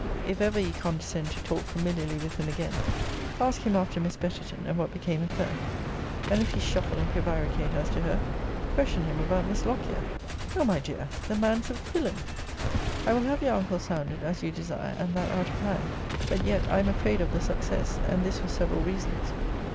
If ever you condescend to talk familiarly with him again, ask him after Miss Betterton, and what became of her. And if he shuffle and prevaricate as to her, question him about Miss Lockyer. O my dear, the man's a villain! I will have your uncle sounded, as you desire, and that out of hand. But yet I am afraid of the success; and this for several reasons.